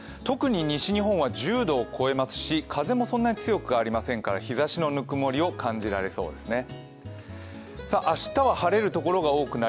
特に西日本は１０度を超えますし風もそんなに強くありませんから日ざしのぬくもりを感じられそうです。